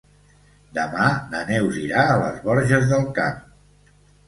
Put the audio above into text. Demà na Neus irà a les Borges del Camp.